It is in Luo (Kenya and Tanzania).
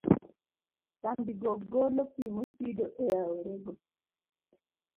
Kambigo golo pi mochido e aorego.